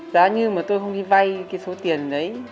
giá như mà tôi không đi vay cái số tiền đấy